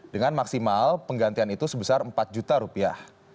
dengan maksimal penggantian itu sebesar empat juta rupiah